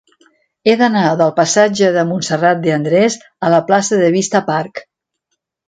He d'anar del passatge de Montserrat de Andrés a la plaça de Vista Park.